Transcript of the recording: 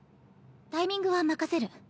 タイミングは任せる。